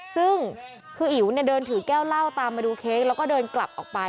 ซึ่งคืออิ๋วเนี่ยเดินถือแก้วเหล้าตามมาดูเค้กแล้วก็เดินกลับออกไป